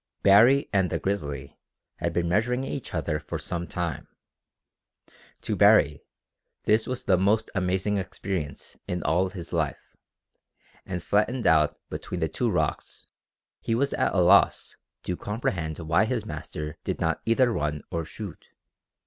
Baree and the grizzly had been measuring each other for some time. To Baree this was the most amazing experience in all his life, and flattened out between the two rocks he was at a loss to comprehend why his master did not either run or shoot.